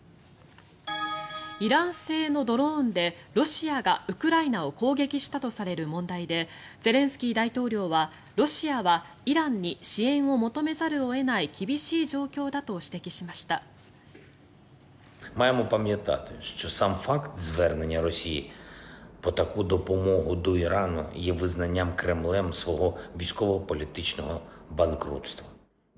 イラン製のドローンでロシアがウクライナを攻撃したとされる問題でゼレンスキー大統領はロシアはイランに支援を求めざるを得ない厳しい状況だと指摘しました。